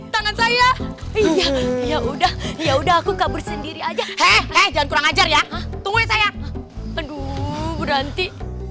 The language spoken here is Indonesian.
tangan saya iya udah ya udah aku kabur sendiri aja jangan kurang ajar ya tunggu saya berhenti